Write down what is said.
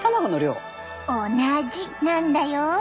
同じなんだよ！